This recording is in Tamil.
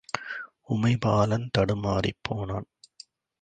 உமைபாலன் தடுமாறிப் போனான்.